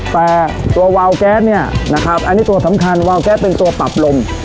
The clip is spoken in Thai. แต่ตัววาวแก๊สเนี่ยนะครับอันนี้ตัวสำคัญวาวแก๊สเป็นตัวปรับลม